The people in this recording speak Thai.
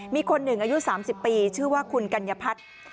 มีคนหนึ่งอายุ๓๐ปีชื่อว่าคุณกัญญพัฒน์